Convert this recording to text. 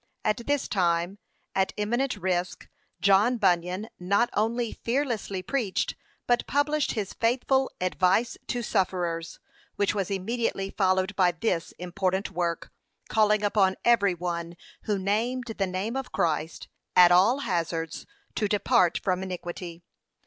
At this time, at imminent risk, John Bunyan not only fearlessly preached, but published his faithful Advice to Sufferers;' which was immediately followed by this important work, calling upon every one who named the name of Christ, 'at all hazards, to depart from iniquity.'